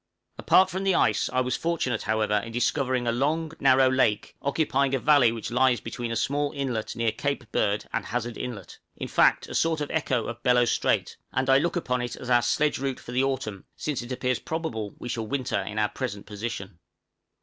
Apart from the ice, I was fortunate, however, in discovering a long narrow lake, occupying a valley which lies between a small inlet near Cape Bird and Hazard Inlet in fact, a sort of echo of Bellot Strait and I look upon it as our sledge route for the autumn, since it appears probable we shall winter in our present position.